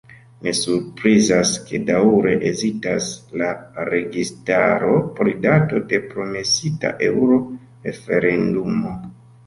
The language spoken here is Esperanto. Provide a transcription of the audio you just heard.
Ne surprizas, ke daŭre hezitas la registaro pri dato de promesita eŭro-referendumo.